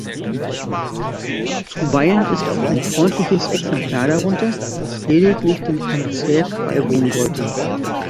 Zuweilen ist auch ein freundliches Exemplar darunter, das lediglich dem Konzert beiwohnen wollte.